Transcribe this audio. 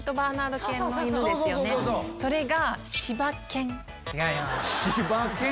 それが。